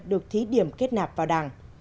được thí điểm kết nạp vào đảng